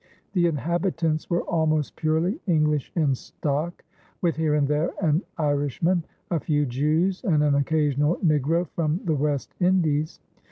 The inhabitants were almost purely English in stock, with here and there an Irishman, a few Jews, and an occasional negro from the West Indies.